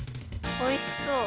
おいしそう。